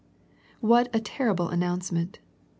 What a terrible announcement.